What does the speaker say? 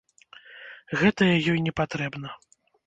Гэтае ёй не патрэбна!